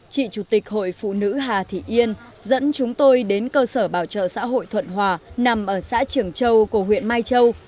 chị chủ tịch hội phụ nữ hà thị yên dẫn chúng tôi đến cơ sở bảo trợ xã hội thuận hòa nằm ở xã trường châu của huyện mai châu